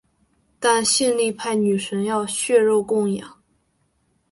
但性力派女神要血肉供养。